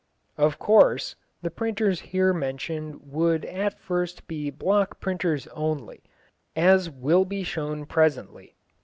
Of course, the printers here mentioned would at first be block printers only, as will be shown presently.